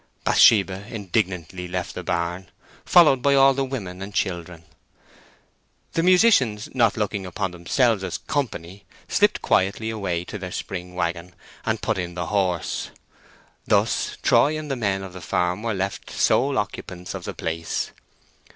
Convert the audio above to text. Bathsheba indignantly left the barn, followed by all the women and children. The musicians, not looking upon themselves as "company," slipped quietly away to their spring waggon and put in the horse. Thus Troy and the men on the farm were left sole occupants of the place.